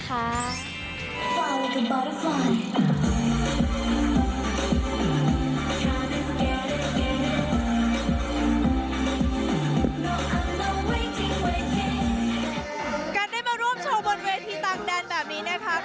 การได้มาร่วมโชว์บนเวทีต่างแดนแบบนี้นะคะ